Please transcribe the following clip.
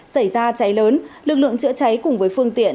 xảy ra cháy lớn lực lượng chữa cháy cùng với phương tiện